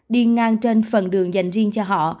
đi ngang trên phần đường dành riêng cho họ